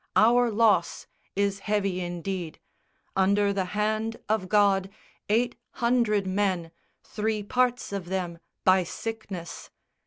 Our loss is heavy indeed, Under the hand of God, eight hundred men, Three parts of them by sickness.